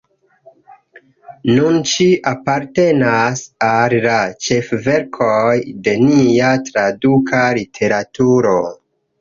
Nun ĝi apartenas al la ĉefverkoj de nia traduka literaturo.